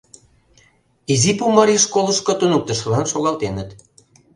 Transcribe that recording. Изи Пумарий школышко туныктышылан шогалтеныт.